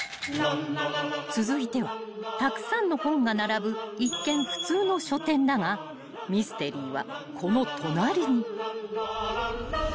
［続いてはたくさんの本が並ぶ一見普通の書店だがミステリーはこの隣に］